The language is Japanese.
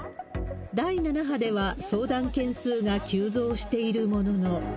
第７波では、相談件数が急増しているものの。